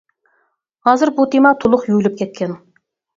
ھازىر بۇ تېما تولۇق يۇيۇلۇپ كەتكەن.